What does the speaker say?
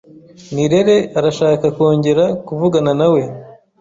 Nirere arashaka kongera kuvugana nawe.